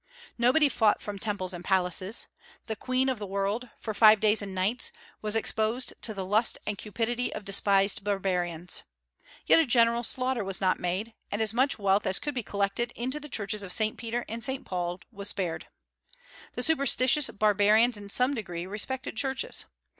Nobody fought from temples and palaces. The queen of the world, for five days and nights, was exposed to the lust and cupidity of despised barbarians. Yet a general slaughter was not made; and as much wealth as could be collected into the churches of St. Peter and St. Paul was spared. The superstitious barbarians in some degree respected churches.